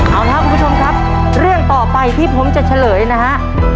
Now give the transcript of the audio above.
เอาละครับคุณผู้ชมครับเรื่องต่อไปที่ผมจะเฉลยนะฮะ